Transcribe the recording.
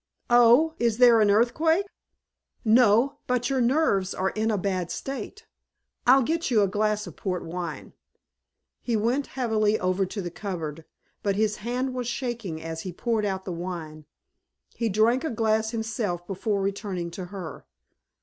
"Oh is there an earthquake?" "No! But your nerves are in a bad state. I'll get you a glass of port wine." He went heavily over to the cupboard, but his hand was shaking as he poured out the wine. He drank a glass himself before returning to her.